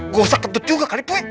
gosa kentut juga kali puik